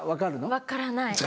分からない。